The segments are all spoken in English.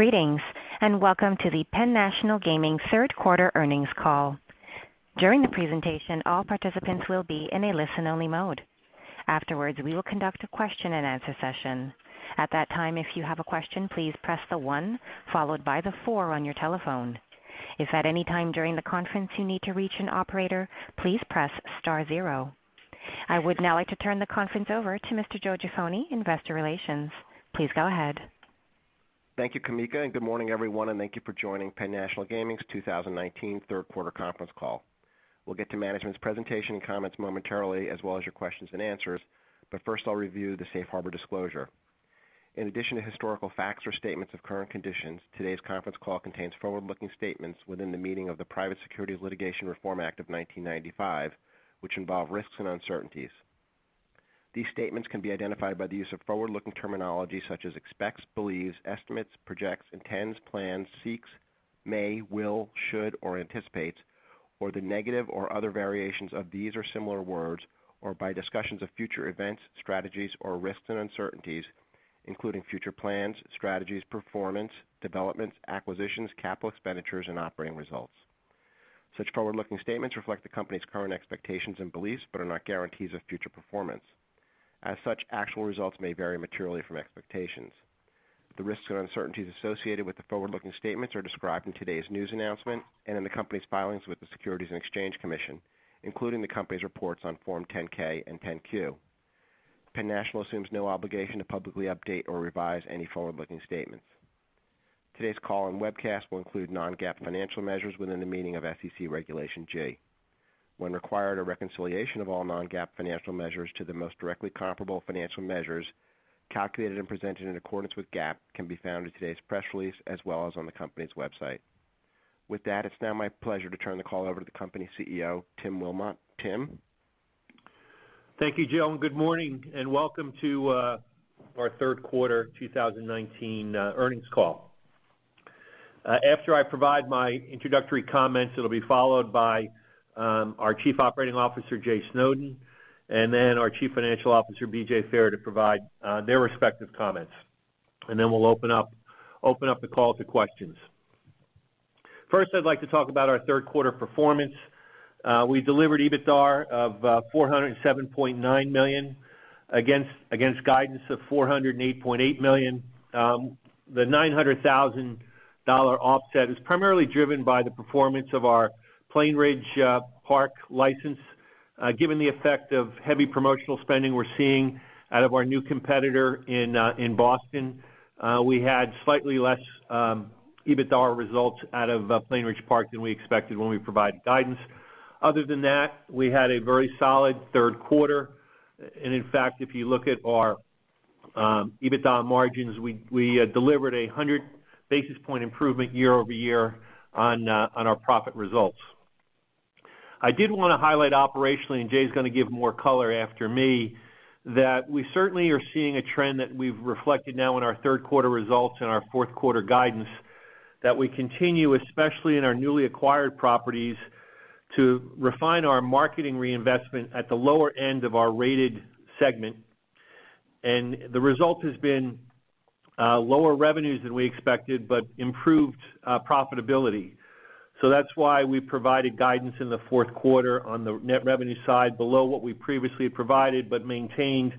Greetings, welcome to the PENN Entertainment third quarter earnings call. During the presentation, all participants will be in a listen-only mode. Afterwards, we will conduct a question and answer session. At that time, if you have a question, please press the one followed by the four on your telephone. If at any time during the conference you need to reach an operator, please press star zero. I would now like to turn the conference over to Mr. Joseph Jaffoni, Investor Relations. Please go ahead. Thank you, Kamika, and good morning, everyone, and thank you for joining PENN National Gaming's 2019 third quarter conference call. We'll get to management's presentation and comments momentarily, as well as your questions and answers. First, I'll review the safe harbor disclosure. In addition to historical facts or statements of current conditions, today's conference call contains forward-looking statements within the meaning of the Private Securities Litigation Reform Act of 1995, which involve risks and uncertainties. These statements can be identified by the use of forward-looking terminology such as expects, believes, estimates, projects, intends, plans, seeks, may, will, should, or anticipates, or the negative or other variations of these or similar words, or by discussions of future events, strategies, or risks and uncertainties, including future plans, strategies, performance, developments, acquisitions, capital expenditures, and operating results. Such forward-looking statements reflect the company's current expectations and beliefs but are not guarantees of future performance. As such, actual results may vary materially from expectations. The risks and uncertainties associated with the forward-looking statements are described in today's news announcement and in the company's filings with the Securities and Exchange Commission, including the company's reports on Form 10-K and 10-Q. PENN Entertainment assumes no obligation to publicly update or revise any forward-looking statements. Today's call and webcast will include non-GAAP financial measures within the meaning of SEC Regulation G. When required, a reconciliation of all non-GAAP financial measures to the most directly comparable financial measures calculated and presented in accordance with GAAP can be found in today's press release, as well as on the company's website. With that, it's now my pleasure to turn the call over to the company's CEO, Timothy Wilmott. Tim? Thank you, Joe. Good morning, and welcome to our third quarter 2019 earnings call. After I provide my introductory comments, it'll be followed by our Chief Operating Officer, Jay Snowden, then our Chief Financial Officer, B.J. Fair, to provide their respective comments. We'll open up the call to questions. First, I'd like to talk about our third quarter performance. We delivered EBITDA of $407.9 million against guidance of $408.8 million. The $900,000 offset is primarily driven by the performance of our Plainridge Park license. Given the effect of heavy promotional spending we're seeing out of our new competitor in Boston, we had slightly less EBITDA results out of Plainridge Park than we expected when we provided guidance. Other than that, we had a very solid third quarter. In fact, if you look at our EBITDA margins, we delivered a 100-basis-point improvement year-over-year on our profit results. I did want to highlight operationally, and Jay's going to give more color after me, that we certainly are seeing a trend that we've reflected now in our third quarter results and our fourth quarter guidance that we continue, especially in our newly acquired properties, to refine our marketing reinvestment at the lower end of our rated segment. The result has been lower revenues than we expected, but improved profitability. That's why we provided guidance in the fourth quarter on the net revenue side below what we previously provided but maintained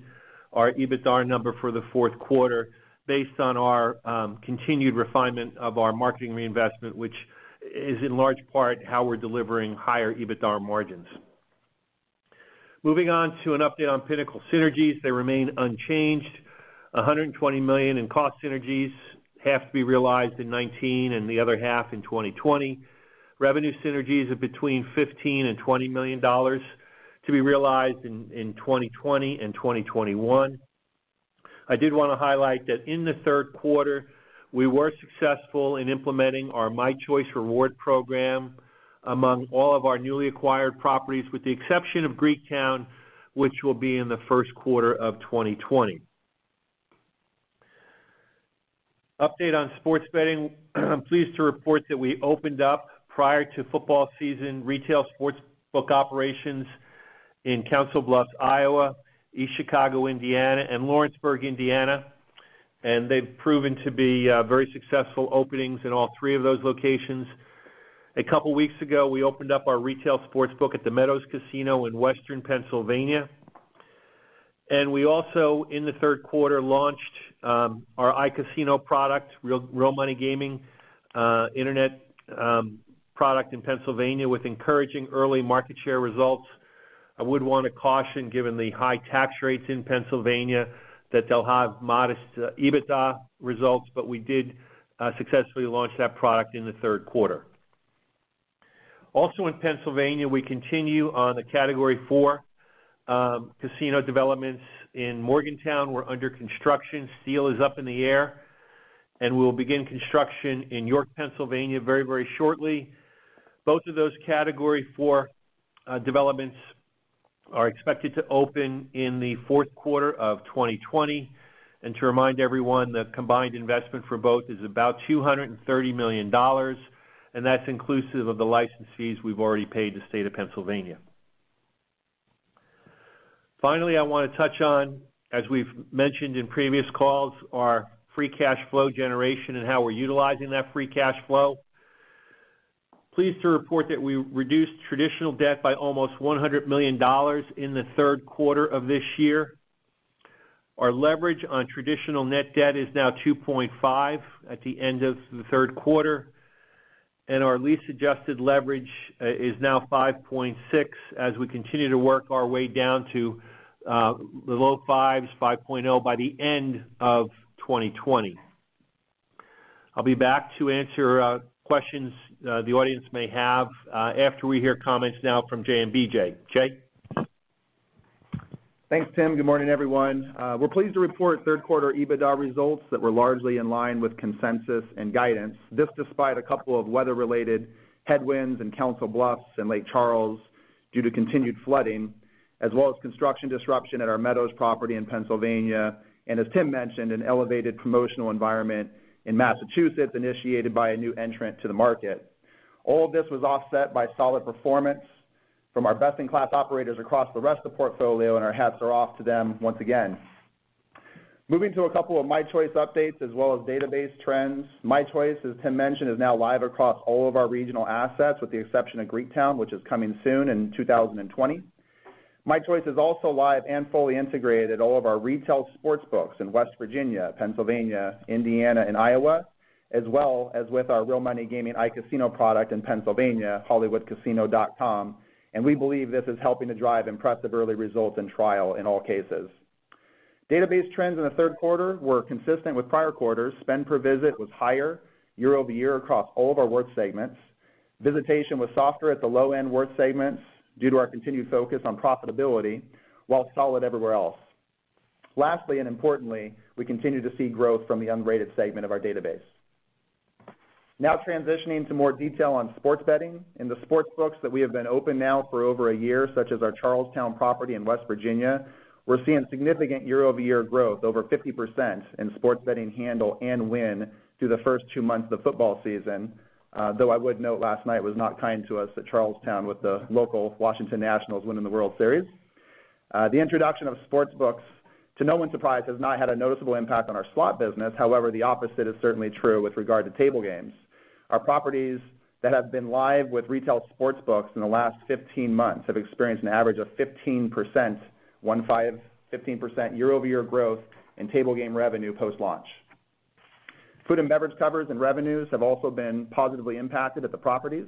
our EBITDA number for the fourth quarter based on our continued refinement of our marketing reinvestment, which is in large part how we're delivering higher EBITDA margins. Moving on to an update on Pinnacle synergies. They remain unchanged. $120 million in cost synergies, half to be realized in 2019 and the other half in 2020. Revenue synergies of between $15 million and $20 million to be realized in 2020 and 2021. I did want to highlight that in the third quarter, we were successful in implementing our mychoice Rewards program among all of our newly acquired properties, with the exception of Greektown, which will be in the first quarter of 2020. Update on sports betting. I'm pleased to report that we opened up, prior to football season, retail sportsbook operations in Council Bluffs, Iowa, East Chicago, Indiana, and Lawrenceburg, Indiana. They've proven to be very successful openings in all three of those locations. A couple of weeks ago, we opened up our retail sportsbook at The Meadows Casino in Western Pennsylvania. We also, in the third quarter, launched our iCasino product, real money gaming internet product in Pennsylvania with encouraging early market share results. I would want to caution, given the high tax rates in Pennsylvania, that they'll have modest EBITDA results, but we did successfully launch that product in the third quarter. Also in Pennsylvania, we continue on the Category 4 casino developments in Morgantown. We're under construction. Steel is up in the air. We'll begin construction in York, Pennsylvania very shortly. Both of those Category 4 developments are expected to open in the fourth quarter of 2020. To remind everyone, the combined investment for both is about $230 million. That's inclusive of the license fees we've already paid the state of Pennsylvania. Finally, I want to touch on, as we've mentioned in previous calls, our free cash flow generation and how we're utilizing that free cash flow. Pleased to report that we reduced traditional debt by almost $100 million in the third quarter of this year. Our leverage on traditional net debt is now 2.5 at the end of the third quarter, and our lease-adjusted leverage is now 5.6 as we continue to work our way down to the low fives, 5.0 by the end of 2020. I'll be back to answer questions the audience may have after we hear comments now from Jay and B.J. Jay? Thanks, Tim. Good morning, everyone. We're pleased to report third quarter EBITDA results that were largely in line with consensus and guidance. This, despite a couple of weather-related headwinds in Council Bluffs and Lake Charles due to continued flooding, as well as construction disruption at our Meadows property in Pennsylvania, and as Tim mentioned, an elevated promotional environment in Massachusetts initiated by a new entrant to the market. All of this was offset by solid performance from our best-in-class operators across the rest of the portfolio, and our hats are off to them once again. Moving to a couple of mychoice updates as well as database trends. mychoice, as Tim mentioned, is now live across all of our regional assets, with the exception of Greektown, which is coming soon in 2020. mychoice is also live and fully integrated at all of our retail sportsbooks in West Virginia, Pennsylvania, Indiana, and Iowa, as well as with our real money gaming iCasino product in Pennsylvania, hollywoodcasino.com. We believe this is helping to drive impressive early results in trial in all cases. Database trends in the third quarter were consistent with prior quarters. Spend per visit was higher year-over-year across all of our worth segments. Visitation was softer at the low-end worth segments due to our continued focus on profitability, while solid everywhere else. Lastly, and importantly, we continue to see growth from the unrated segment of our database. Now transitioning to more detail on sports betting. In the sports books that we have been open now for over a year, such as our Charles Town property in West Virginia, we're seeing significant year-over-year growth over 50% in sports betting handle and win through the first two months of football season. I would note last night was not kind to us at Charles Town with the local Washington Nationals winning the World Series. The introduction of sports books, to no one's surprise, has not had a noticeable impact on our slot business. The opposite is certainly true with regard to table games. Our properties that have been live with retail sports books in the last 15 months have experienced an average of 15%, one five, 15% year-over-year growth in table game revenue post-launch. Food and beverage covers and revenues have also been positively impacted at the properties.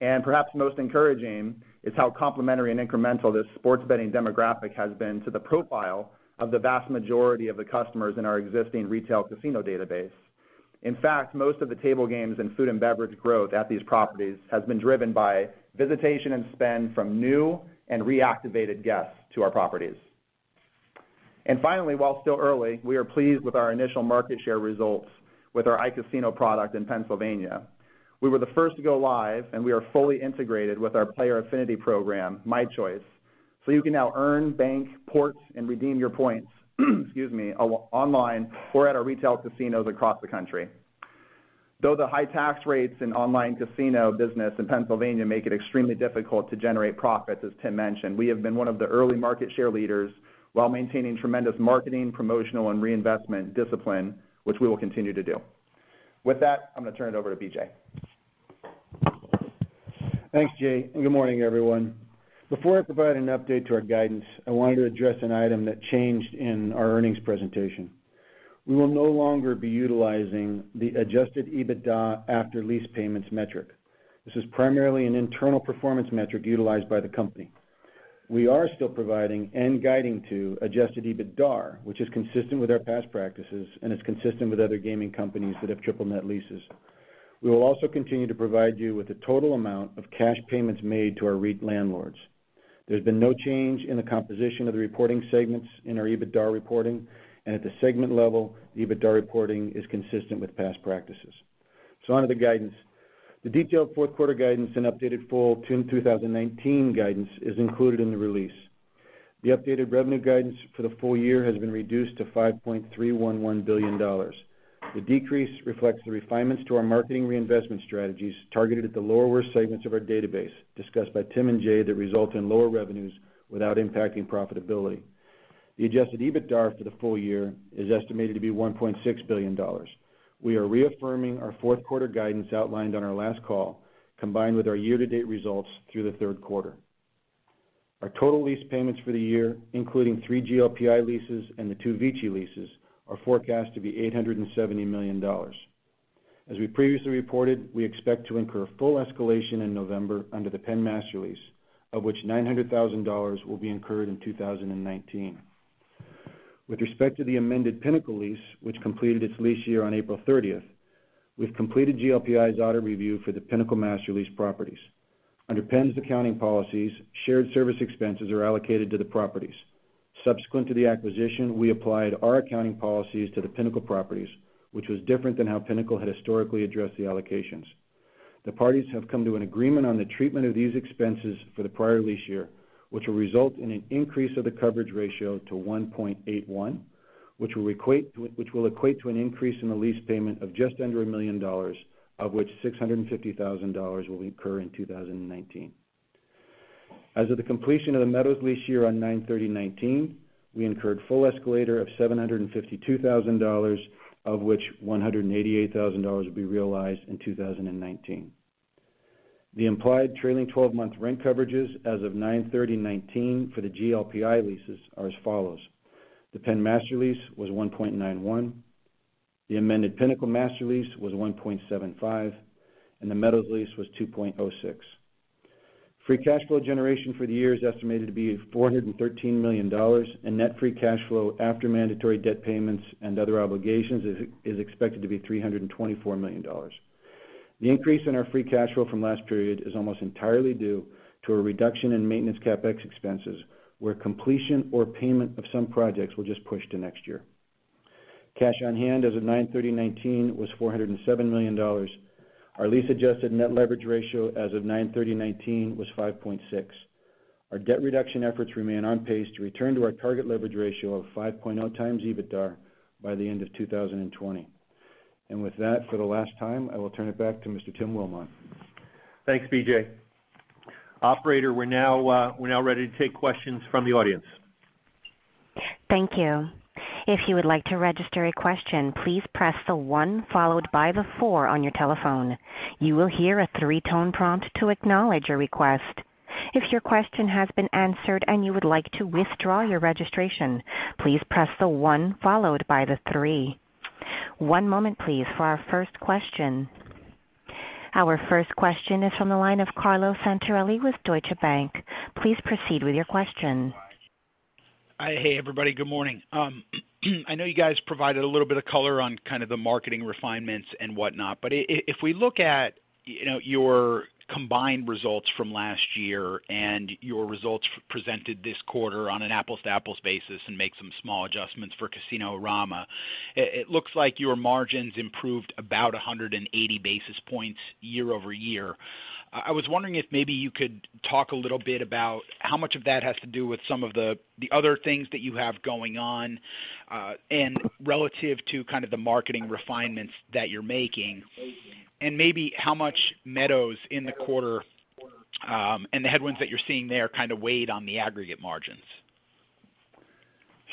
Perhaps most encouraging is how complimentary and incremental this sports betting demographic has been to the profile of the vast majority of the customers in our existing retail casino database. In fact, most of the table games and food and beverage growth at these properties has been driven by visitation and spend from new and reactivated guests to our properties. Finally, while still early, we are pleased with our initial market share results with our iCasino product in Pennsylvania. We were the first to go live, and we are fully integrated with our player affinity program, mychoice, so you can now earn, bank, port, and redeem your points online or at our retail casinos across the country. Though the high tax rates in online casino business in Pennsylvania make it extremely difficult to generate profits, as Tim mentioned, we have been one of the early market share leaders while maintaining tremendous marketing, promotional, and reinvestment discipline, which we will continue to do. With that, I'm going to turn it over to B.J. Thanks, Jay. Good morning, everyone. Before I provide an update to our guidance, I wanted to address an item that changed in our earnings presentation. We will no longer be utilizing the adjusted EBITDA after lease payments metric. This is primarily an internal performance metric utilized by the company. We are still providing and guiding to adjusted EBITDAR, which is consistent with our past practices and is consistent with other gaming companies that have triple net leases. We will also continue to provide you with the total amount of cash payments made to our REIT landlords. There's been no change in the composition of the reporting segments in our EBITDAR reporting. At the segment level, the EBITDAR reporting is consistent with past practices. On to the guidance. The detailed fourth quarter guidance and updated full year 2019 guidance is included in the release. The updated revenue guidance for the full year has been reduced to $5.311 billion. The decrease reflects the refinements to our marketing reinvestment strategies targeted at the lower worth segments of our database discussed by Tim and Jay that result in lower revenues without impacting profitability. The adjusted EBITDAR for the full year is estimated to be $1.6 billion. We are reaffirming our fourth quarter guidance outlined on our last call, combined with our year-to-date results through the third quarter. Our total lease payments for the year, including three GLPI leases and the two VICI leases, are forecast to be $870 million. As we previously reported, we expect to incur full escalation in November under the Penn master lease, of which $900,000 will be incurred in 2019. With respect to the amended Pinnacle lease, which completed its lease year on April 30th, we've completed GLPI's audit review for the Pinnacle master lease properties. Under PENN's accounting policies, shared service expenses are allocated to the properties. Subsequent to the acquisition, we applied our accounting policies to the Pinnacle properties, which was different than how Pinnacle had historically addressed the allocations. The parties have come to an agreement on the treatment of these expenses for the prior lease year, which will result in an increase of the coverage ratio to 1.81 Which will equate to an increase in the lease payment of just under $1 million, of which $650,000 will recur in 2019. As of the completion of the Meadows lease year on 9/30/2019, we incurred full escalator of $752,000, of which $188,000 will be realized in 2019. The implied trailing 12-month rent coverages as of 9/30/2019 for the GLPI leases are as follows: the Penn master lease was 1.91, the amended Pinnacle master lease was 1.75, and the Meadows lease was 2.06. Free cash flow generation for the year is estimated to be $413 million, and net free cash flow after mandatory debt payments and other obligations is expected to be $324 million. The increase in our free cash flow from last period is almost entirely due to a reduction in maintenance CapEx expenses, where completion or payment of some projects were just pushed to next year. Cash on hand as of 9/30/19 was $407 million. Our lease-adjusted net leverage ratio as of 9/30/19 was 5.6. Our debt reduction efforts remain on pace to return to our target leverage ratio of 5.0 times EBITDA by the end of 2020. With that, for the last time, I will turn it back to Mr. Tim Wilmott. Thanks, B.J. Operator, we're now ready to take questions from the audience. Thank you. If you would like to register a question, please press the one followed by the four on your telephone. You will hear a three-tone prompt to acknowledge your request. If your question has been answered and you would like to withdraw your registration, please press the one followed by the three. One moment, please, for our first question. Our first question is from the line of Carlo Santarelli with Deutsche Bank. Please proceed with your question. Hey, everybody. Good morning. I know you guys provided a little bit of color on kind of the marketing refinements and whatnot, but if we look at your combined results from last year and your results presented this quarter on an an apples-to-apples basis and make some small adjustments for Casino Rama, it looks like your margins improved about 180 basis points year-over-year. I was wondering if maybe you could talk a little bit about how much of that has to do with some of the other things that you have going on, and relative to kind of the marketing refinements that you're making, maybe how much Meadows in the quarter, and the headwinds that you're seeing there kind of weighed on the aggregate margins?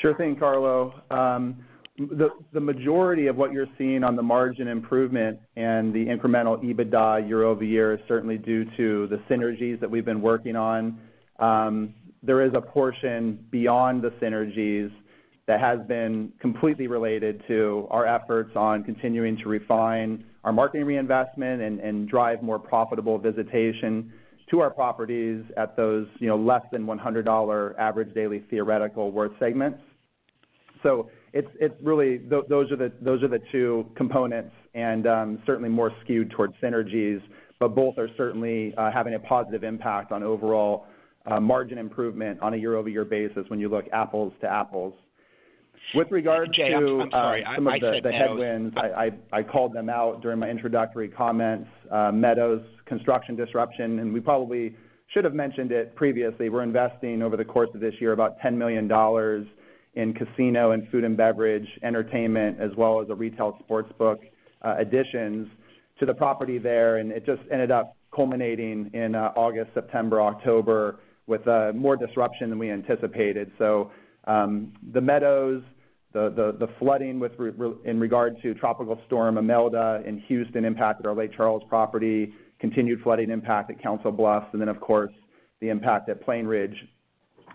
Sure thing, Carlo. The majority of what you're seeing on the margin improvement and the incremental EBITDA year-over-year is certainly due to the synergies that we've been working on. There is a portion beyond the synergies that has been completely related to our efforts on continuing to refine our marketing reinvestment and drive more profitable visitation to our properties at those less than $100 average daily theoretical worth segments. Really, those are the two components, and certainly more skewed towards synergies, but both are certainly having a positive impact on overall margin improvement on a year-over-year basis when you look apples to apples. Jay, I'm sorry. I said Meadows. Some of the headwinds, I called them out during my introductory comments. Meadows construction disruption. We probably should've mentioned it previously. We're investing over the course of this year about $10 million in casino and food and beverage, entertainment, as well as a retail sportsbook additions to the property there. It just ended up culminating in August, September, October with more disruption than we anticipated. The Meadows, the flooding in regard to Tropical Storm Imelda in Houston impacted our Lake Charles property, continued flooding impact at Council Bluffs, of course, the impact at Plainridge.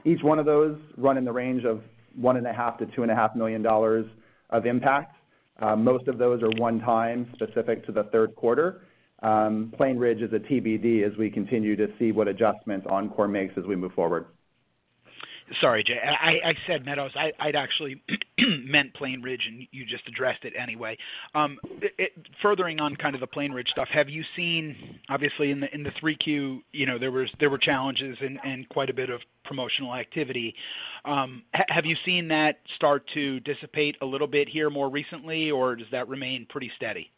Each one of those run in the range of $1.5 million-$2.5 million of impact. Most of those are one-time, specific to the third quarter. Plainridge is a TBD as we continue to see what adjustments Encore makes as we move forward. Sorry, Jay. I said Meadows. I'd actually meant Plainridge, and you just addressed it anyway. Furthering on kind of the Plainridge stuff, have you seen, obviously in the 3Q, there were challenges and quite a bit of promotional activity. Have you seen that start to dissipate a little bit here more recently, or does that remain pretty steady?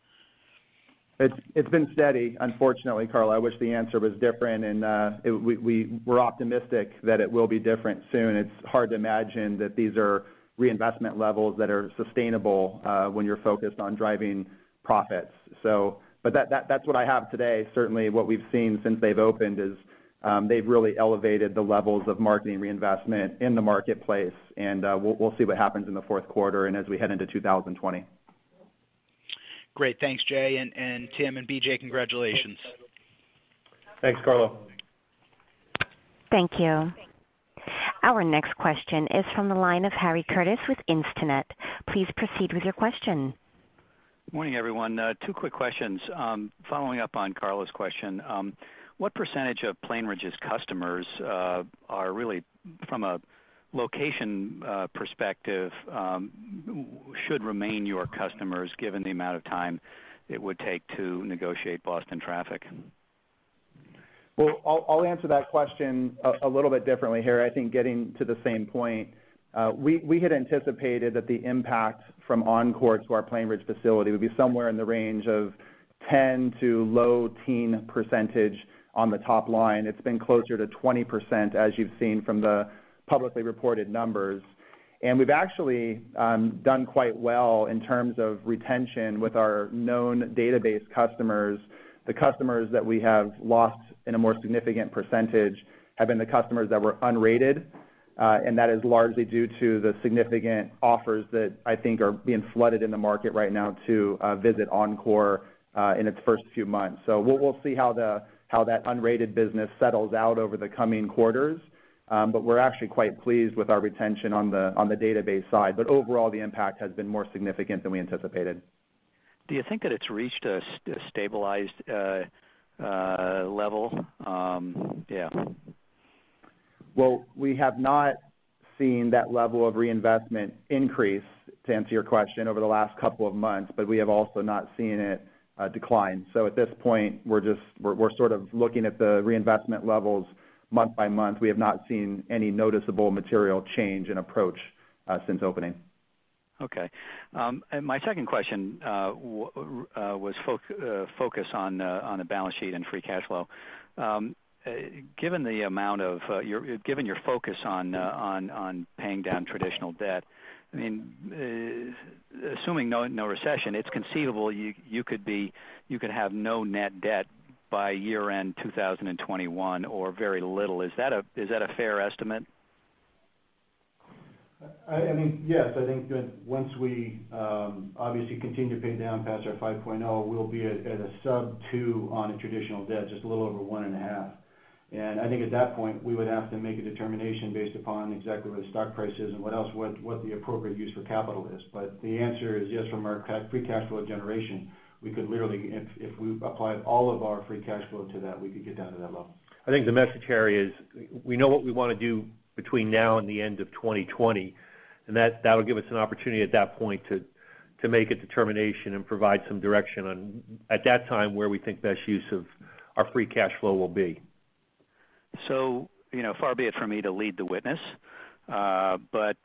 It's been steady, unfortunately, Carlo. I wish the answer was different, and we're optimistic that it will be different soon. It's hard to imagine that these are reinvestment levels that are sustainable when you're focused on driving profits. That's what I have today. Certainly, what we've seen since they've opened is they've really elevated the levels of marketing reinvestment in the marketplace, and we'll see what happens in the fourth quarter and as we head into 2020. Great. Thanks, Jay, and Tim and B.J., congratulations. Thanks, Carlo. Thank you. Our next question is from the line of Harry Curtis with Instinet. Please proceed with your question. Morning, everyone. Two quick questions. Following up on Carlo's question, what % of Plainridge's customers are really, from a location perspective, should remain your customers given the amount of time it would take to negotiate Boston traffic? I'll answer that question a little bit differently, Harry. I think getting to the same point. We had anticipated that the impact from Encore to our Plainridge facility would be somewhere in the range of 10% to low teen percentage on the top line. It's been closer to 20%, as you've seen from the publicly reported numbers. We've actually done quite well in terms of retention with our known database customers. The customers that we have lost in a more significant percentage have been the customers that were unrated, and that is largely due to the significant offers that I think are being flooded in the market right now to visit Encore in its first few months. We'll see how that unrated business settles out over the coming quarters. We're actually quite pleased with our retention on the database side. Overall, the impact has been more significant than we anticipated. Do you think that it's reached a stabilized level? Yeah. Well, we have not seen that level of reinvestment increase, to answer your question, over the last couple of months, but we have also not seen it decline. At this point, we're sort of looking at the reinvestment levels month by month. We have not seen any noticeable material change in approach since opening. Okay. My second question was focused on the balance sheet and free cash flow. Given your focus on paying down traditional debt, assuming no recession, it's conceivable you could have no net debt by year-end 2021, or very little. Is that a fair estimate? I think yes. I think that once we obviously continue to pay down past our 5.0, we'll be at a sub-two on a traditional debt, just a little over one and a half. I think at that point, we would have to make a determination based upon exactly where the stock price is and what the appropriate use for capital is. The answer is yes, from our free cash flow generation, if we applied all of our free cash flow to that, we could get down to that level. I think the message, Harry, is we know what we want to do between now and the end of 2020, and that'll give us an opportunity at that point to make a determination and provide some direction on, at that time, where we think best use of our free cash flow will be. Far be it from me to lead the witness, but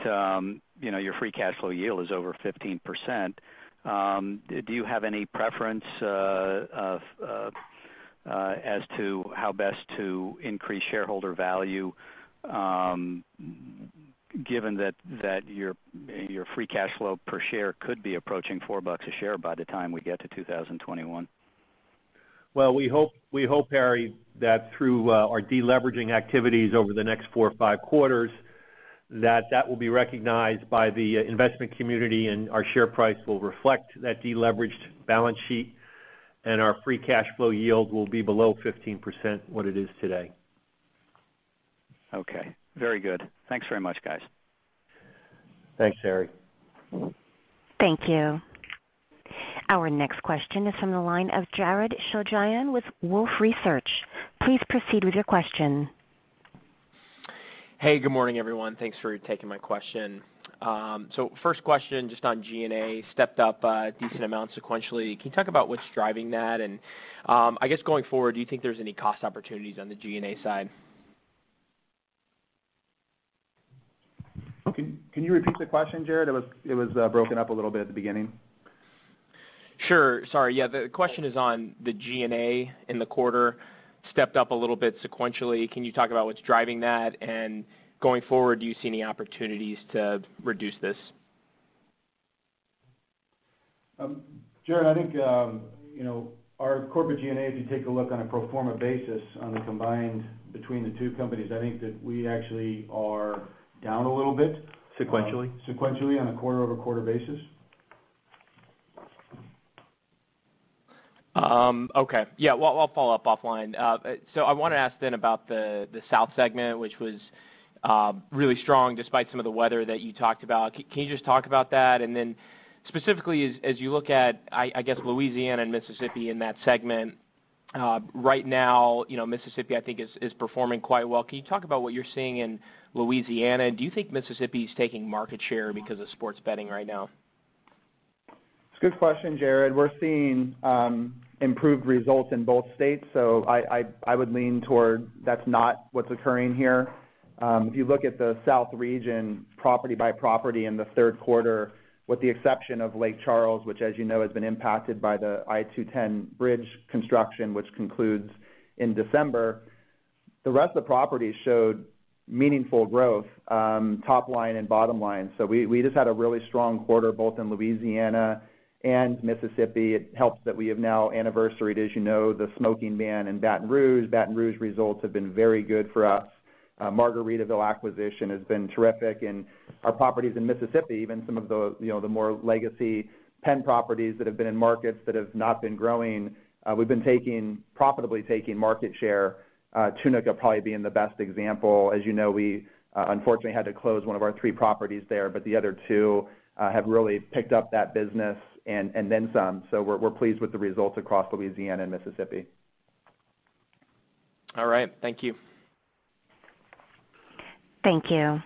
your free cash flow yield is over 15%. Do you have any preference as to how best to increase shareholder value, given that your free cash flow per share could be approaching $4 a share by the time we get to 2021? Well, we hope, Harry, that through our de-leveraging activities over the next four or five quarters, that that will be recognized by the investment community and our share price will reflect that de-leveraged balance sheet, and our free cash flow yield will be below 15% what it is today. Okay. Very good. Thanks very much, guys. Thanks, Harry. Thank you. Our next question is from the line of Jared Shojaian with Wolfe Research. Please proceed with your question. Hey, good morning, everyone. Thanks for taking my question. First question, just on G&A stepped up a decent amount sequentially. Can you talk about what's driving that? And I guess going forward, do you think there's any cost opportunities on the G&A side? Can you repeat the question, Jared? It was broken up a little bit at the beginning. Sure. Sorry, yeah, the question is on the G&A in the quarter, stepped up a little bit sequentially. Can you talk about what's driving that? Going forward, do you see any opportunities to reduce this? Jared, I think our corporate G&A, if you take a look on a pro forma basis on the combined between the two companies, I think that we actually are down a little bit. Sequentially. Sequentially on a quarter-over-quarter basis. Okay. Yeah, well, I'll follow up offline. I want to ask then about the South segment, which was really strong despite some of the weather that you talked about. Can you just talk about that? Then specifically, as you look at, I guess, Louisiana and Mississippi in that segment, right now, Mississippi, I think is performing quite well. Can you talk about what you're seeing in Louisiana? Do you think Mississippi is taking market share because of sports betting right now? It's a good question, Jared. We're seeing improved results in both states. I would lean toward that's not what's occurring here. If you look at the South region, property by property in the third quarter, with the exception of Lake Charles, which as you know, has been impacted by the I-210 bridge construction, which concludes in December, the rest of the properties showed meaningful growth top line and bottom line. We just had a really strong quarter both in Louisiana and Mississippi. It helps that we have now anniversaried, as you know, the smoking ban in Baton Rouge. Baton Rouge results have been very good for us. Margaritaville acquisition has been terrific. Our properties in Mississippi, even some of the more legacy Penn properties that have been in markets that have not been growing, we've been profitably taking market share. Tunica probably being the best example. As you know, we unfortunately had to close one of our three properties there, but the other two have really picked up that business and then some. We're pleased with the results across Louisiana and Mississippi. All right. Thank you. Thank you.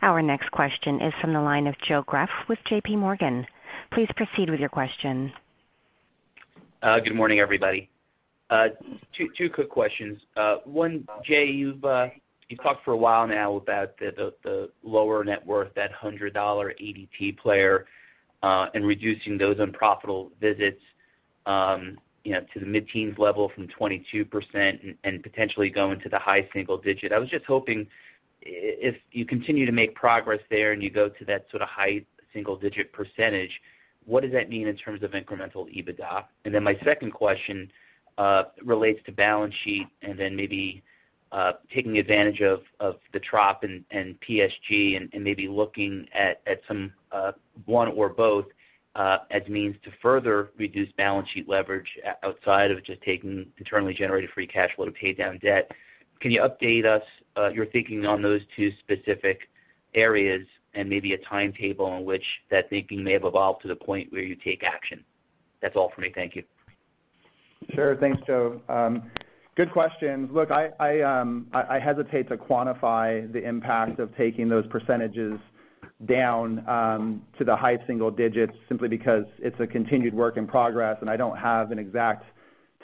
Our next question is from the line of Joe Greff with JPMorgan. Please proceed with your question. Good morning, everybody. Two quick questions. One, Jay, you've talked for a while now about the lower net worth, that $100 ADT player, and reducing those unprofitable visits to the mid-teens level from 22% and potentially going to the high single digit. I was just hoping, if you continue to make progress there and you go to that sort of high single-digit percentage, what does that mean in terms of incremental EBITDA? My second question relates to balance sheet, and then maybe taking advantage of the Tropicana and PSG and maybe looking at one or both as means to further reduce balance sheet leverage outside of just taking internally generated free cash flow to pay down debt. Can you update us, your thinking on those two specific areas and maybe a timetable in which that thinking may have evolved to the point where you take action? That's all for me. Thank you. Sure. Thanks, Joe. Good questions. I hesitate to quantify the impact of taking those percentages down to the high single digits simply because it's a continued work in progress, and I don't have an exact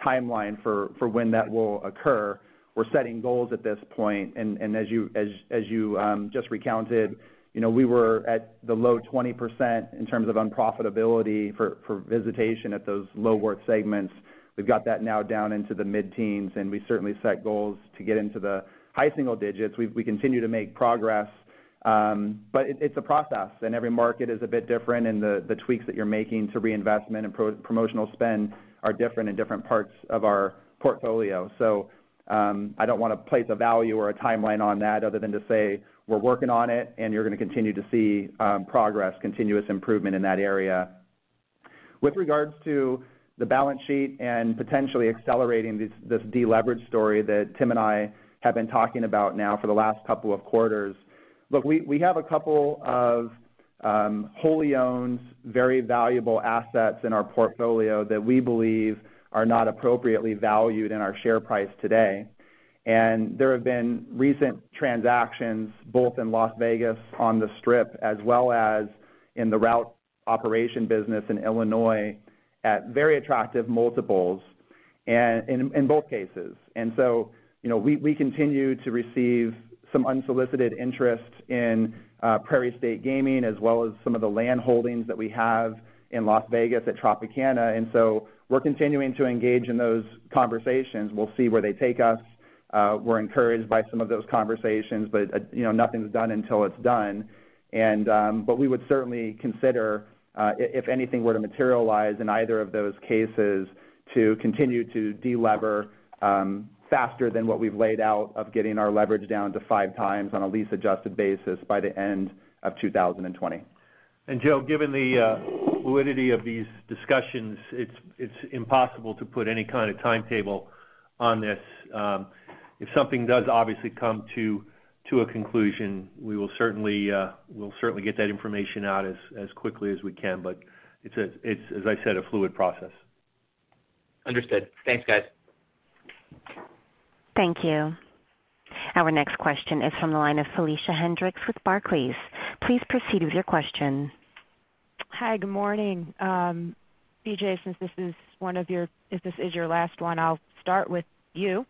timeline for when that will occur. We're setting goals at this point, and as you just recounted, we were at the low 20% in terms of unprofitability for visitation at those low worth segments. We've got that now down into the mid-teens, and we certainly set goals to get into the high single digits. We continue to make progress. It's a process, and every market is a bit different in the tweaks that you're making to reinvestment and promotional spend are different in different parts of our portfolio. I don't want to place a value or a timeline on that other than to say we're working on it, and you're going to continue to see progress, continuous improvement in that area. With regards to the balance sheet and potentially accelerating this de-leverage story that Tim and I have been talking about now for the last couple of quarters, look, we have a couple of wholly owned, very valuable assets in our portfolio that we believe are not appropriately valued in our share price today. There have been recent transactions, both in Las Vegas on the Strip, as well as in the Route Operation business in Illinois, at very attractive multiples in both cases. We continue to receive some unsolicited interest in Prairie State Gaming, as well as some of the land holdings that we have in Las Vegas at Tropicana. We're continuing to engage in those conversations. We'll see where they take us. We're encouraged by some of those conversations, but nothing's done until it's done. We would certainly consider, if anything were to materialize in either of those cases, to continue to de-lever faster than what we've laid out of getting our leverage down to five times on a lease-adjusted basis by the end of 2020. Joe, given the fluidity of these discussions, it's impossible to put any kind of timetable on this. If something does obviously come to a conclusion, we'll certainly get that information out as quickly as we can. It's, as I said, a fluid process. Understood. Thanks, guys. Thank you. Our next question is from the line of Felicia Hendrix with Barclays. Please proceed with your question. Hi, good morning. B.J., since this is your last one, I'll start with you.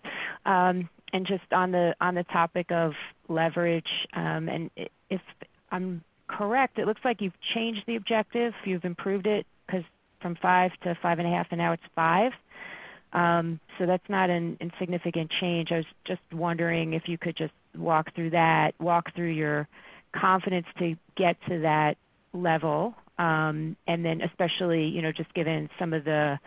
Just on the topic of leverage, and if I'm correct, it looks like you've changed the objective. You've improved it because from five to five and a half, and now it's five. That's not an insignificant change. I was just wondering if you could just walk through that, walk through your confidence to get to that level, and then especially, just given some of the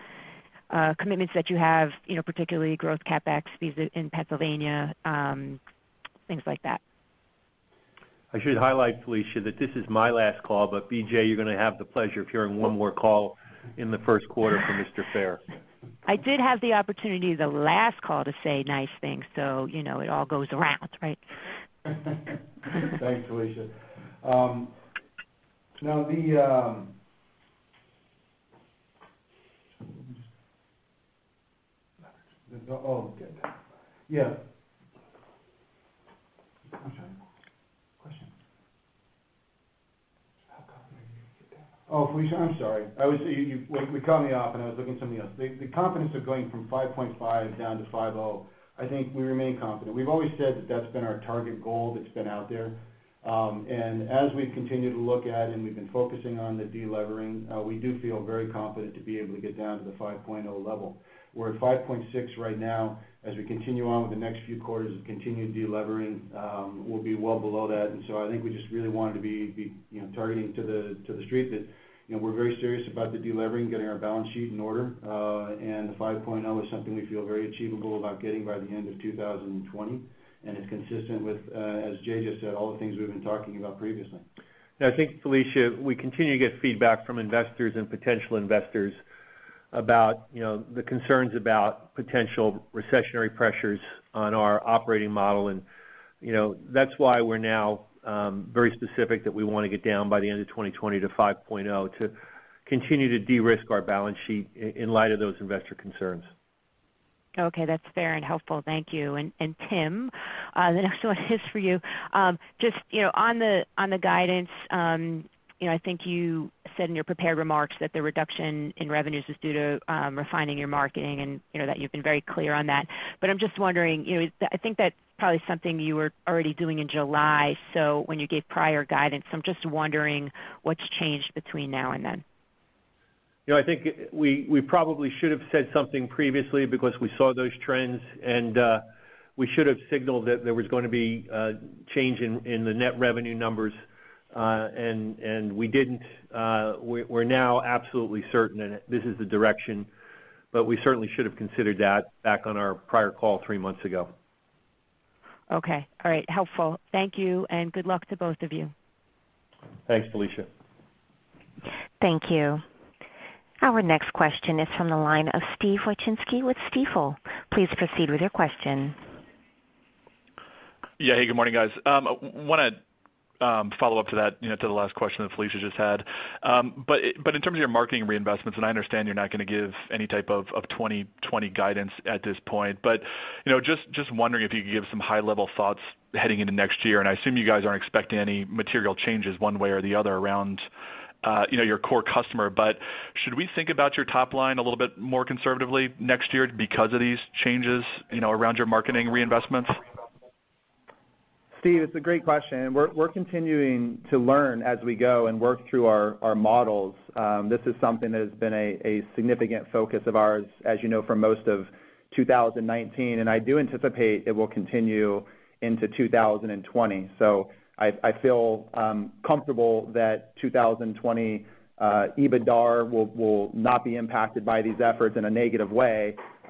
commitments that you have, particularly growth CapEx in Pennsylvania, things like that. I should highlight, Felicia, that this is my last call, but B.J., you're going to have the pleasure of hearing one more call in the first quarter for Mr. Fair. I did have the opportunity the last call to say nice things, so it all goes around, right? Thanks, Felicia. Oh, yeah. Question? Question. How confident are you to get down? Felicia, I'm sorry. We cut me off, I was looking at something else. The confidence of going from 5.5 down to 5.0, I think we remain confident. We've always said that that's been our target goal that's been out there. As we've continued to look at and we've been focusing on the de-levering, we do feel very confident to be able to get down to the 5.0 level. We're at 5.6 right now. As we continue on with the next few quarters of continued de-levering, we'll be well below that. I think we just really wanted to be targeting to the street that we're very serious about the de-levering, getting our balance sheet in order. The 5.0 is something we feel very achievable about getting by the end of 2020, and is consistent with, as Jay just said, all the things we've been talking about previously. I think, Felicia, we continue to get feedback from investors and potential investors about the concerns about potential recessionary pressures on our operating model. That's why we're now very specific that we want to get down by the end of 2020 to 5.0 to continue to de-risk our balance sheet in light of those investor concerns. Okay, that's fair and helpful. Thank you. Tim, the next one is for you. Just on the guidance, I think you said in your prepared remarks that the reduction in revenues is due to refining your marketing and that you've been very clear on that. I'm just wondering, I think that's probably something you were already doing in July, so when you gave prior guidance. I'm just wondering what's changed between now and then? I think we probably should've said something previously because we saw those trends, and we should've signaled that there was going to be a change in the net revenue numbers, and we didn't. We're now absolutely certain, and this is the direction, but we certainly should've considered that back on our prior call three months ago. Okay. All right. Helpful. Thank you, and good luck to both of you. Thanks, Felicia. Thank you. Our next question is from the line of Steven Wieczynski with Stifel. Please proceed with your question. Yeah. Hey, good morning, guys. I want to follow up to the last question that Felicia just had. In terms of your marketing reinvestments, and I understand you're not going to give any type of 2020 guidance at this point, just wondering if you could give some high-level thoughts heading into next year. I assume you guys aren't expecting any material changes one way or the other around your core customer. Should we think about your top line a little bit more conservatively next year because of these changes around your marketing reinvestments? Steve, it's a great question. We're continuing to learn as we go and work through our models. This is something that has been a significant focus of ours, as you know, for most of 2019. I do anticipate it will continue into 2020. I feel comfortable that 2020 EBITDA will not be impacted by these efforts in a negative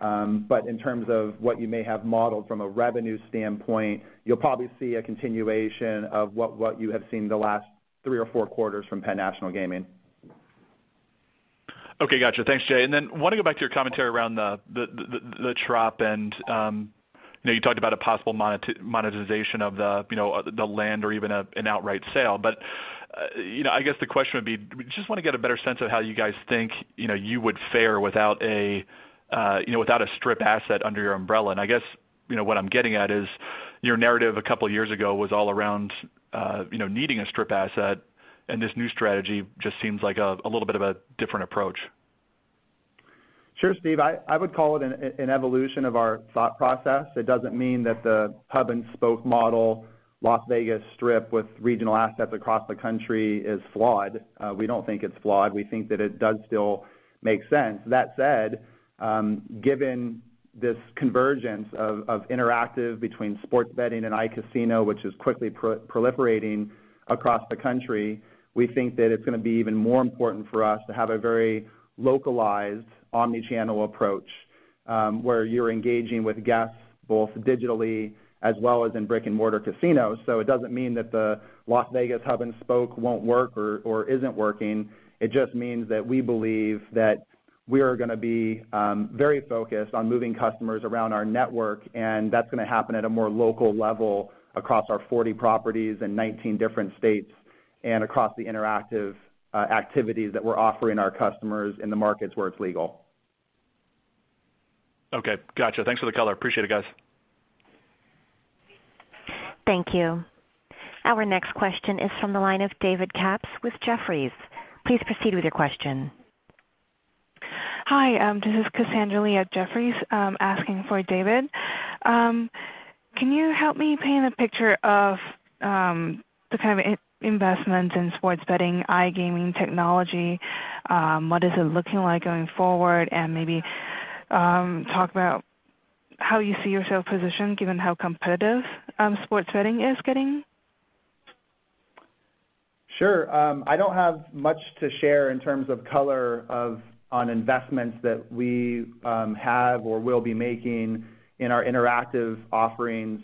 way. In terms of what you may have modeled from a revenue standpoint, you'll probably see a continuation of what you have seen the last three or four quarters from Penn National Gaming. Okay, got you. Thanks, Jay. Then want to go back to your commentary around the Tropicana and you talked about a possible monetization of the land or even an outright sale. I guess the question would be, just want to get a better sense of how you guys think you would fare without a strip asset under your umbrella. I guess, what I'm getting at is your narrative a couple of years ago was all around needing a strip asset and this new strategy just seems like a little bit of a different approach. Sure, Steve. I would call it an evolution of our thought process. It doesn't mean that the hub-and-spoke model, Las Vegas Strip with regional assets across the country is flawed. We don't think it's flawed. We think that it does still make sense. That said, given this convergence of interactive between sports betting and iCasino, which is quickly proliferating across the country, we think that it's going to be even more important for us to have a very localized omni-channel approach, where you're engaging with guests both digitally as well as in brick-and-mortar casinos. It doesn't mean that the Las Vegas hub-and-spoke won't work or isn't working. It just means that we believe that we are going to be very focused on moving customers around our network, and that's going to happen at a more local level across our 40 properties in 19 different states and across the interactive activities that we're offering our customers in the markets where it's legal. Okay, got you. Thanks for the color. Appreciate it, guys. Thank you. Our next question is from the line of David Katz with Jefferies. Please proceed with your question. Hi, this is Cassandra Lee at Jefferies, asking for David. Can you help me paint a picture of the kind of investments in sports betting, iGaming technology? What is it looking like going forward? Maybe talk about how you see yourself positioned given how competitive sports betting is getting. Sure. I don't have much to share in terms of color on investments that we have or will be making in our interactive offerings.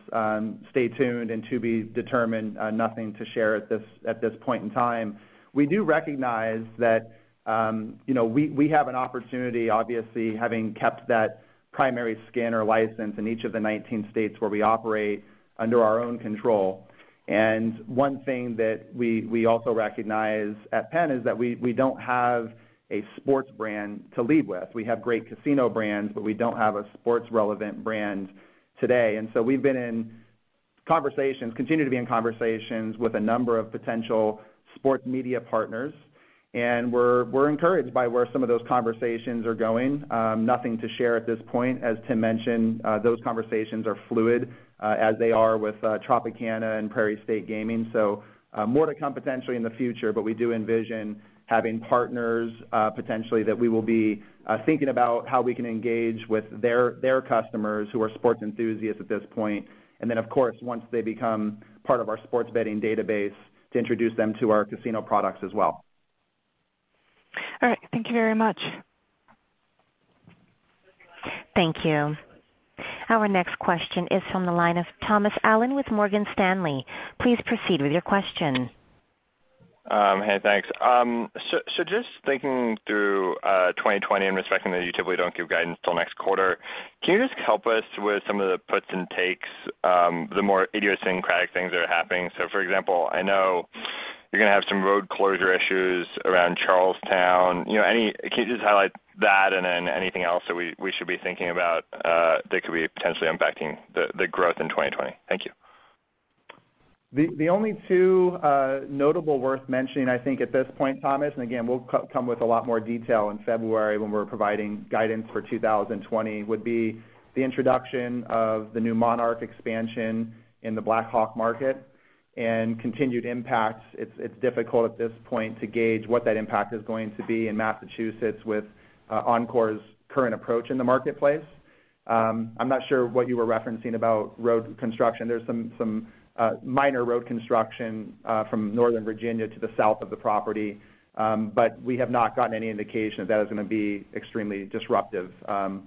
Stay tuned and to be determined. Nothing to share at this point in time. We do recognize that we have an opportunity, obviously, having kept that primary skin or license in each of the 19 states where we operate under our own control. One thing that we also recognize at PENN is that we don't have a sports brand to lead with. We have great casino brands, but we don't have a sports-relevant brand today. We've been in conversations, continue to be in conversations with a number of potential sports media partners, and we're encouraged by where some of those conversations are going. Nothing to share at this point. As Tim mentioned, those conversations are fluid, as they are with Tropicana and Prairie State Gaming. More to come potentially in the future, but we do envision having partners, potentially, that we will be thinking about how we can engage with their customers who are sports enthusiasts at this point. Then, of course, once they become part of our sports betting database, to introduce them to our casino products as well. All right. Thank you very much. Thank you. Our next question is from the line of Thomas Allen with Morgan Stanley. Please proceed with your question. Thanks. Just thinking through 2020 and respecting that you typically don't give guidance till next quarter, can you just help us with some of the puts and takes, the more idiosyncratic things that are happening? For example, I know you're going to have some road closure issues around Charles Town. Can you just highlight that, and then anything else that we should be thinking about that could be potentially impacting the growth in 2020? Thank you. The only two notable worth mentioning, I think, at this point, Thomas, and again, we'll come with a lot more detail in February when we're providing guidance for 2020, would be the introduction of the new Monarch expansion in the Black Hawk market and continued impacts. It's difficult at this point to gauge what that impact is going to be in Massachusetts with Encore's current approach in the marketplace. I'm not sure what you were referencing about road construction. There's some minor road construction from Northern Virginia to the south of the property. We have not gotten any indication that is going to be extremely disruptive.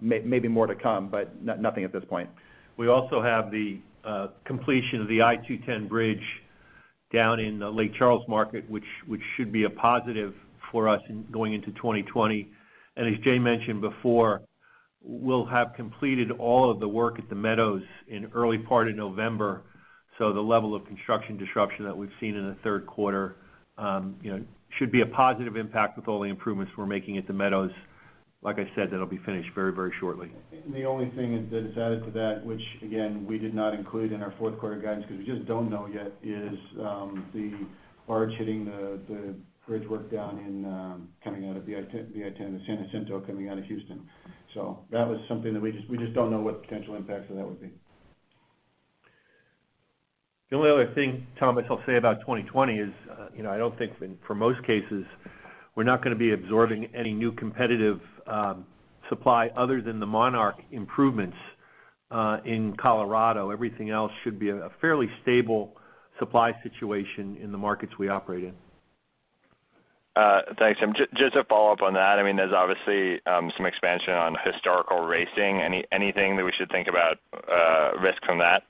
Maybe more to come, but nothing at this point. We also have the completion of the I-210 bridge down in the Lake Charles market, which should be a positive for us going into 2020. As Jay mentioned before, we'll have completed all of the work at the Meadows in early part of November, so the level of construction disruption that we've seen in the third quarter should be a positive impact with all the improvements we're making at the Meadows. Like I said, that'll be finished very shortly. I think the only thing that is added to that, which again, we did not include in our fourth quarter guidance because we just don't know yet, is the barge hitting the bridge work down coming out of the I-10 San Jacinto coming out of Houston. That was something that we just don't know what the potential impacts of that would be. The only other thing, Thomas, I'll say about 2020 is I don't think for most cases, we're not going to be absorbing any new competitive supply other than the Monarch improvements in Colorado. Everything else should be a fairly stable supply situation in the markets we operate in. Thanks. Just to follow up on that, there's obviously some expansion on historical racing. Anything that we should think about risks from that?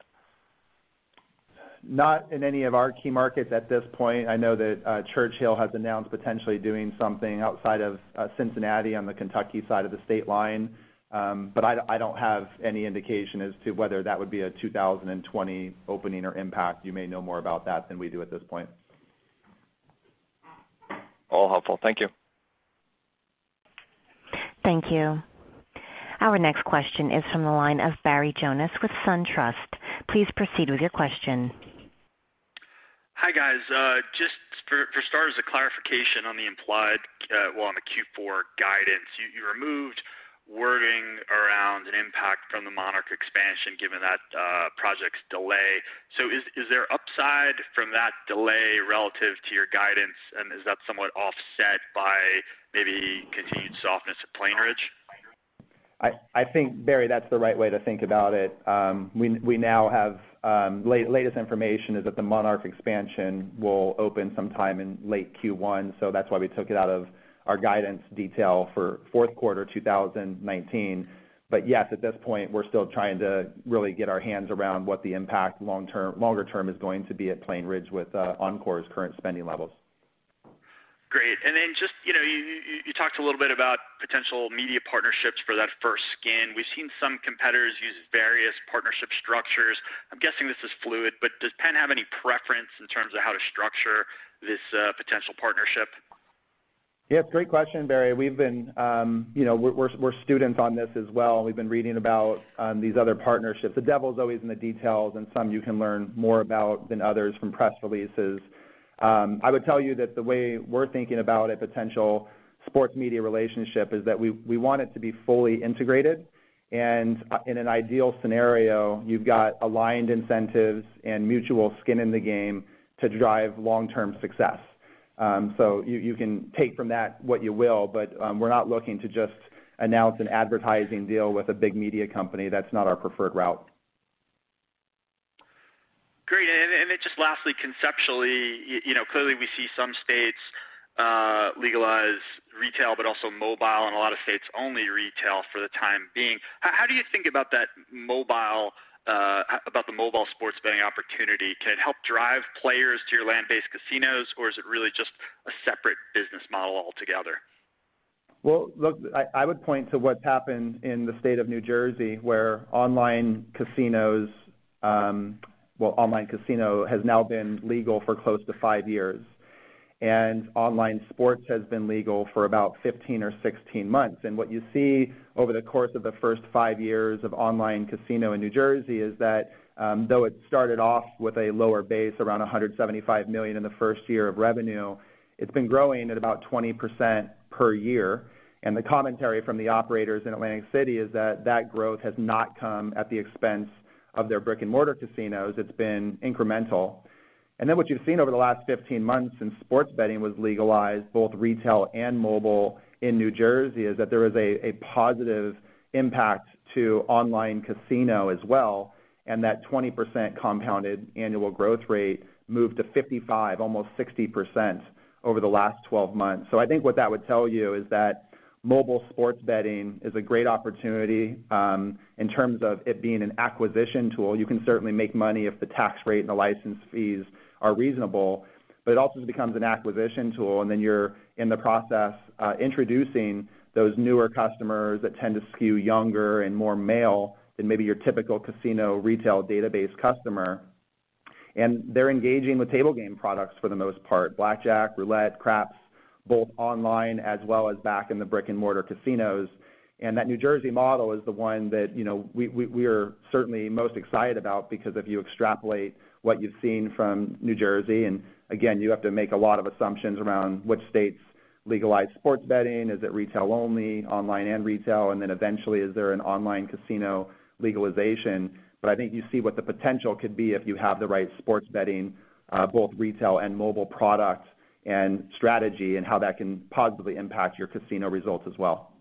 Not in any of our key markets at this point. I know that Churchill has announced potentially doing something outside of Cincinnati on the Kentucky side of the state line. I don't have any indication as to whether that would be a 2020 opening or impact. You may know more about that than we do at this point. All helpful. Thank you. Thank you. Our next question is from the line of Barry Jonas with SunTrust. Please proceed with your question. Hi, guys. Just for starters, a clarification on the implied, well, on the Q4 guidance. You removed wording around an impact from the Monarch expansion, given that project's delay. Is there upside from that delay relative to your guidance, and is that somewhat offset by maybe continued softness at Plainridge? I think, Barry, that's the right way to think about it. Latest information is that the Monarch expansion will open sometime in late Q1, so that's why we took it out of our guidance detail for fourth quarter 2019. Yes, at this point, we're still trying to really get our hands around what the impact longer term is going to be at Plainridge with Encore's current spending levels. Great. Just you talked a little bit about potential media partnerships for that first skin. We've seen some competitors use various partnership structures. I'm guessing this is fluid, but does PENN have any preference in terms of how to structure this potential partnership? Yeah, great question, Barry. We're students on this as well. We've been reading about these other partnerships. The devil is always in the details, and some you can learn more about than others from press releases. I would tell you that the way we're thinking about a potential sports media relationship is that we want it to be fully integrated, and in an ideal scenario, you've got aligned incentives and mutual skin in the game to drive long-term success. You can take from that what you will, but we're not looking to just announce an advertising deal with a big media company. That's not our preferred route. Great. Just lastly, conceptually, clearly we see some states legalize retail, but also mobile, and a lot of states only retail for the time being. How do you think about the mobile sports betting opportunity? Can it help drive players to your land-based casinos, or is it really just a separate business model altogether? Well, look, I would point to what's happened in the state of New Jersey, where online casino has now been legal for close to five years, and online sports has been legal for about 15 or 16 months. What you see over the course of the first five years of online casino in New Jersey is that, though it started off with a lower base, around $175 million in the first year of revenue, it's been growing at about 20% per year. The commentary from the operators in Atlantic City is that that growth has not come at the expense of their brick-and-mortar casinos. It's been incremental. What you've seen over the last 15 months since sports betting was legalized, both retail and mobile in New Jersey, is that there is a positive impact to online casino as well, and that 20% compounded annual growth rate moved to 55%, almost 60% over the last 12 months. I think what that would tell you is that mobile sports betting is a great opportunity in terms of it being an acquisition tool. You can certainly make money if the tax rate and the license fees are reasonable, but it also becomes an acquisition tool, and then you're in the process introducing those newer customers that tend to skew younger and more male than maybe your typical casino retail database customer. They're engaging with table game products for the most part, blackjack, roulette, craps, both online as well as back in the brick-and-mortar casinos. That New Jersey model is the one that we are certainly most excited about, because if you extrapolate what you've seen from New Jersey. Again, you have to make a lot of assumptions around which states legalize sports betting. Is it retail only, online and retail, and then eventually, is there an online casino legalization? I think you see what the potential could be if you have the right sports betting, both retail and mobile product, and strategy, and how that can positively impact your casino results as well.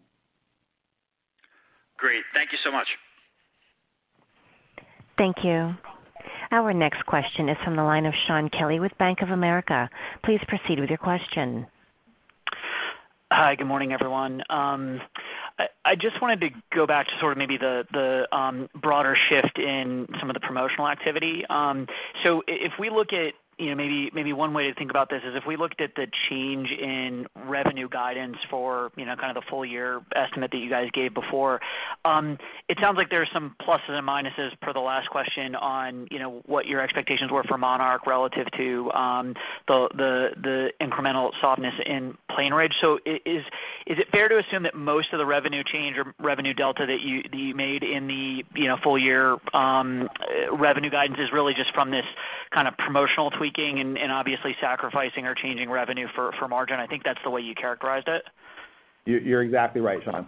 Great. Thank you so much. Thank you. Our next question is from the line of Shaun Kelley with Bank of America. Please proceed with your question. Hi, good morning, everyone. I just wanted to go back to maybe the broader shift in some of the promotional activity. If we look at maybe one way to think of this is if we looked at the change in revenue guidance for the full-year estimate that you guys gave before. It sounds like there's some pluses and minuses per the last question on what your expectations were for Monarch relative to the incremental softness in Plainridge. Is it fair to assume that most of the revenue change or revenue delta that you made in the full-year revenue guidance is really just from this promotional tweaking and obviously sacrificing or changing revenue for margin? I think that's the way you characterized it. You're exactly right, Shaun.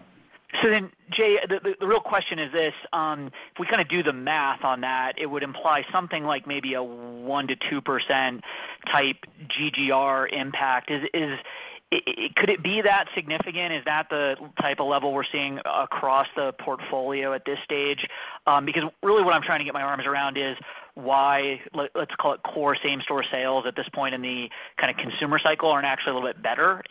Jay, the real question is this: If we do the math on that, it would imply something like maybe a 1%-2% type GGR impact. Could it be that significant? Is that the type of level we're seeing across the portfolio at this stage? Because really what I'm trying to get my arms around is why, let's call it core same-store sales at this point in the consumer cycle aren't actually a little bit better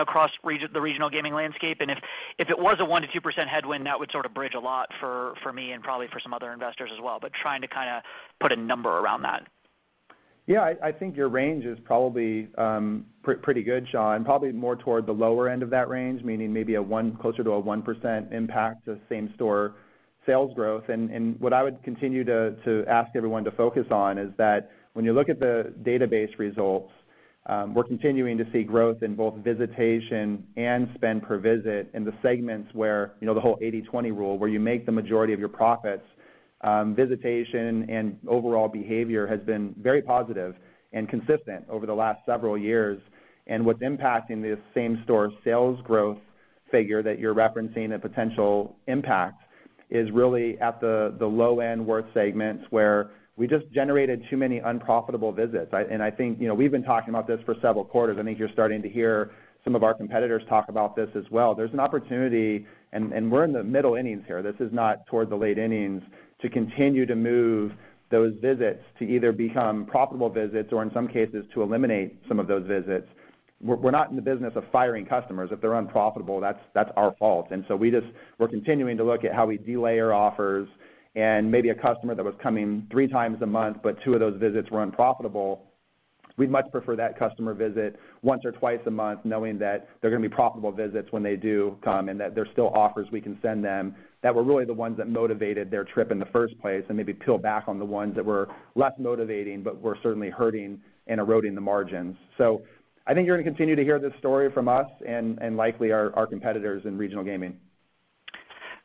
across the regional gaming landscape. And if it was a 1%-2% headwind, that would bridge a lot for me and probably for some other investors as well, but trying to put a number around that. Yeah, I think your range is probably pretty good, Shaun. Probably more toward the lower end of that range, meaning maybe closer to a 1% impact to same-store sales growth. What I would continue to ask everyone to focus on is that when you look at the database results, we're continuing to see growth in both visitation and spend per visit in the segments where the whole 80/20 rule, where you make the majority of your profits. Visitation and overall behavior has been very positive and consistent over the last several years. What's impacting this same-store sales growth figure that you're referencing, the potential impact, is really at the low-end worth segments where we just generated too many unprofitable visits. I think we've been talking about this for several quarters. I think you're starting to hear some of our competitors talk about this as well. There's an opportunity, and we're in the middle innings here. This is not toward the late innings to continue to move those visits to either become profitable visits or in some cases, to eliminate some of those visits. We're not in the business of firing customers. If they're unprofitable, that's our fault. We're continuing to look at how we de-layer offers and maybe a customer that was coming three times a month, but two of those visits were unprofitable. We'd much prefer that customer visit once or twice a month knowing that they're going to be profitable visits when they do come, and that there's still offers we can send them that were really the ones that motivated their trip in the first place, and maybe peel back on the ones that were less motivating, but were certainly hurting and eroding the margins. I think you're going to continue to hear this story from us and likely our competitors in regional gaming.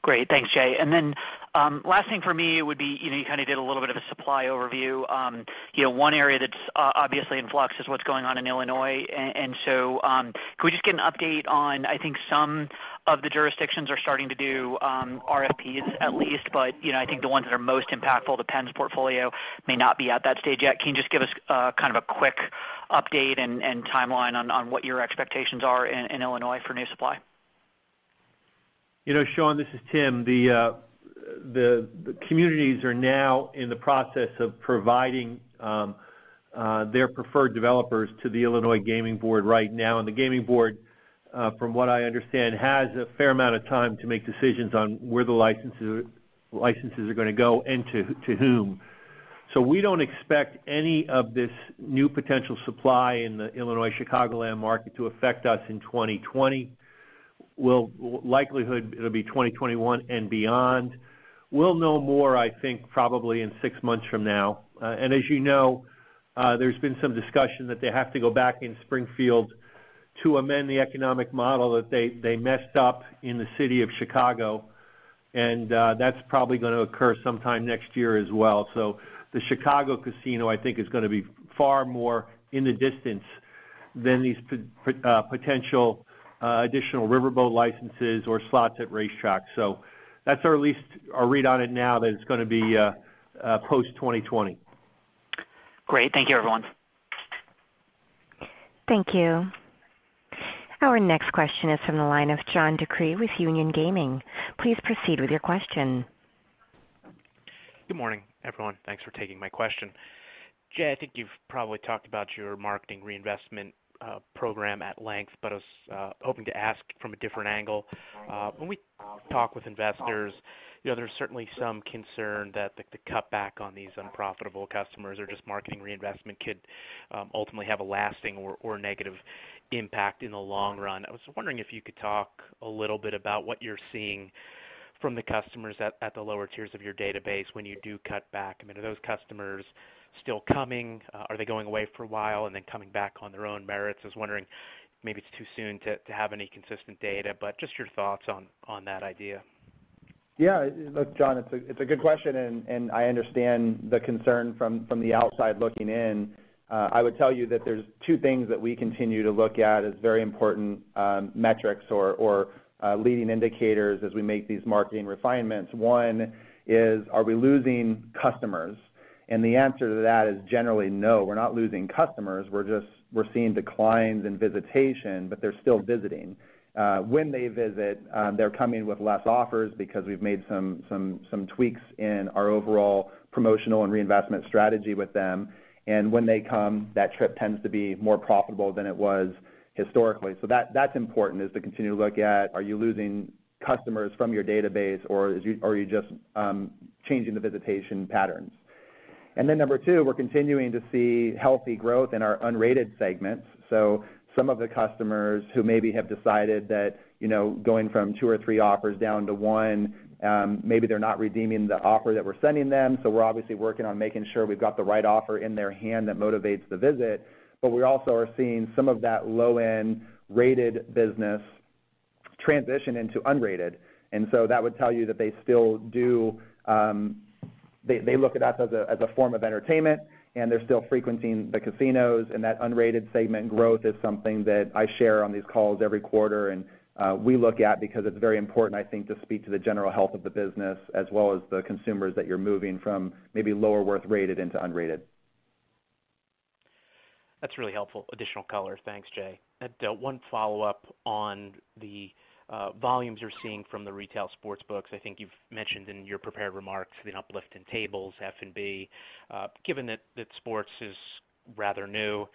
Great. Thanks, Jay. Last thing for me would be, you kind of did a little bit of a supply overview. One area that's obviously in flux is what's going on in Illinois. Can we just get an update on, I think some of the jurisdictions are starting to do RFPs at least, but I think the ones that are most impactful, the PENN's portfolio, may not be at that stage yet. Can you just give us a quick update and timeline on what your expectations are in Illinois for new supply? Shaun, this is Timothy. The communities are now in the process of providing their preferred developers to the Illinois Gaming Board right now. The gaming board, from what I understand, has a fair amount of time to make decisions on where the licenses are going to go and to whom. We don't expect any of this new potential supply in the Illinois Chicagoland market to affect us in 2020. Likelihood, it'll be 2021 and beyond. We'll know more, I think, probably in 6 months from now. As you know, there's been some discussion that they have to go back in Springfield to amend the economic model that they messed up in the city of Chicago, and that's probably going to occur sometime next year as well. The Chicago casino, I think, is going to be far more in the distance than these potential additional riverboat licenses or slots at racetracks. That's our read on it now that it's going to be post-2020. Great. Thank you, everyone. Thank you. Our next question is from the line of John DeCree with Union Gaming. Please proceed with your question. Good morning, everyone. Thanks for taking my question. Jay, I think you've probably talked about your marketing reinvestment program at length. I was hoping to ask from a different angle. When we talk with investors, there's certainly some concern that the cutback on these unprofitable customers or just marketing reinvestment could ultimately have a lasting or negative impact in the long run. I was wondering if you could talk a little bit about what you're seeing from the customers at the lower tiers of your database when you do cut back, are those customers still coming? Are they going away for a while and then coming back on their own merits? I was wondering, maybe it's too soon to have any consistent data. Just your thoughts on that idea. Look, John, it's a good question. I understand the concern from the outside looking in. I would tell you that there's two things that we continue to look at as very important metrics or leading indicators as we make these marketing refinements. One is, are we losing customers? The answer to that is generally no. We're not losing customers. We're seeing declines in visitation, they're still visiting. When they visit, they're coming with less offers because we've made some tweaks in our overall promotional and reinvestment strategy with them. When they come, that trip tends to be more profitable than it was historically. That's important, is to continue to look at, are you losing customers from your database or are you just changing the visitation patterns? Number 2, we're continuing to see healthy growth in our unrated segments. Some of the customers who maybe have decided that going from two or three offers down to one, maybe they're not redeeming the offer that we're sending them. We're obviously working on making sure we've got the right offer in their hand that motivates the visit. We also are seeing some of that low-end rated business transition into unrated. That would tell you that they look at us as a form of entertainment, and they're still frequenting the casinos. That unrated segment growth is something that I share on these calls every quarter and we look at because it's very important, I think, to speak to the general health of the business, as well as the consumers that you're moving from maybe lower worth rated into unrated. That's really helpful additional color. Thanks, Jay. One follow-up on the volumes you're seeing from the retail sports books. I think you've mentioned in your prepared remarks the uplift in tables, F&B. Given that sports is rather new,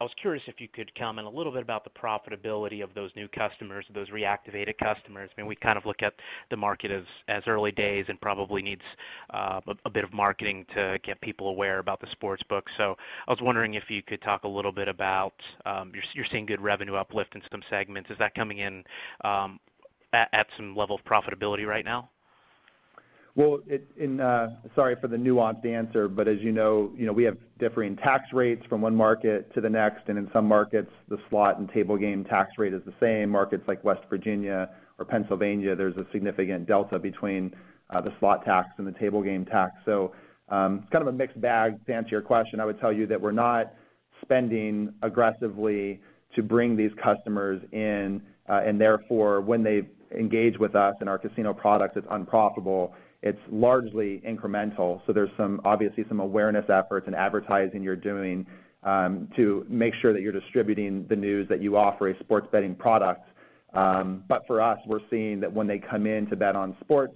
I was curious if you could comment a little bit about the profitability of those new customers, those reactivated customers. We kind of look at the market as early days and probably needs a bit of marketing to get people aware about the sports book. I was wondering if you could talk a little bit about, you're seeing good revenue uplift in some segments. Is that coming in at some level of profitability right now? Well, sorry for the nuanced answer, but as you know, we have differing tax rates from one market to the next, and in some markets, the slot and table game tax rate is the same. Markets like West Virginia or Pennsylvania, there's a significant delta between the slot tax and the table game tax. It's kind of a mixed bag. To answer your question, I would tell you that we're not spending aggressively to bring these customers in, and therefore, when they engage with us and our casino product is unprofitable, it's largely incremental. There's obviously some awareness efforts and advertising you're doing to make sure that you're distributing the news that you offer a sports betting product. For us, we're seeing that when they come in to bet on sports,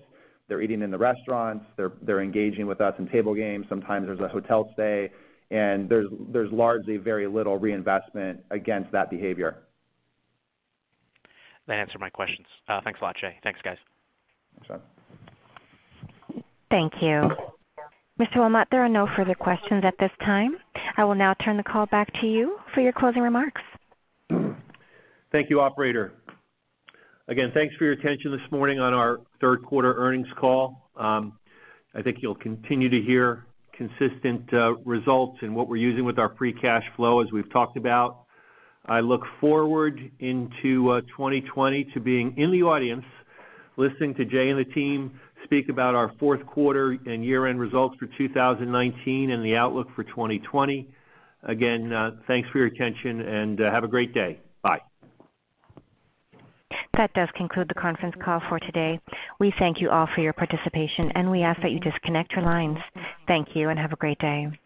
they're eating in the restaurants, they're engaging with us in table games. Sometimes there's a hotel stay, and there's largely very little reinvestment against that behavior. That answered my questions. Thanks a lot, Jay. Thanks, guys. Thanks, John. Thank you. Mr. Wilmott, there are no further questions at this time. I will now turn the call back to you for your closing remarks. Thank you, operator. Again, thanks for your attention this morning on our third quarter earnings call. I think you'll continue to hear consistent results in what we're using with our free cash flow, as we've talked about. I look forward into 2020 to being in the audience, listening to Jay and the team speak about our fourth quarter and year-end results for 2019 and the outlook for 2020. Again, thanks for your attention, and have a great day. Bye. That does conclude the conference call for today. We thank you all for your participation, and we ask that you disconnect your lines. Thank you and have a great day.